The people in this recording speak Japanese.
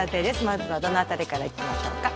まずはどの辺りからいきましょうか？